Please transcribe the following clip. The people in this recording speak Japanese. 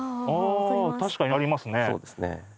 確かにありますね。